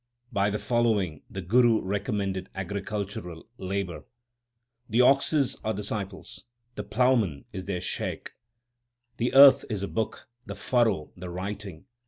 1 By the following the Guru recommended agricul tural labour : The oxen are disciples, 2 the ploughman is their Shaikh ; 3 The earth is a book, the furrow the writing.